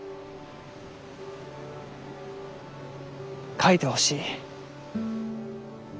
書いてほしい。